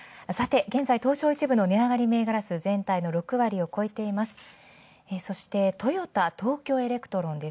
さて、現在東証１部の値上がり銘柄数、全体の６割を超えています。